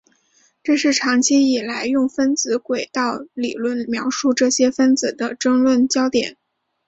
这是长期以来用分子轨道理论描述这些分子的争论焦点。